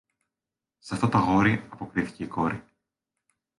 Σ' αυτό το αγόρι, αποκρίθηκε η κόρη